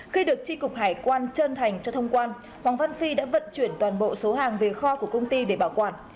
khi được tri cục hải quan trơn thành cho thông quan hoàng văn phi đã vận chuyển toàn bộ số hàng về kho của công ty để bảo quản